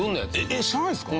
えっ知らないんですか？